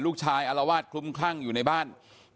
หลุกชายอรวรรคุ้มครั่งอยู่ในบ้าน